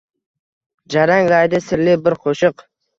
Jaranglaydi sirli bir qo’shiq…